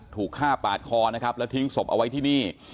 ถูกฆ่าปาดคอแล้วทิ้งสบเอาไว้ที่นี่